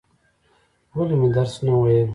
ولې مې درس نه وایل؟